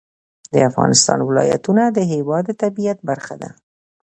د افغانستان ولایتونه د هېواد د طبیعت برخه ده.